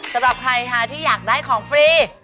สำหรับใครค่ะที่อยากได้ของฟรี